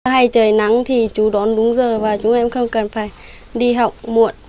hay trời nắng thì chú đón đúng giờ và chúng em không cần phải đi học muộn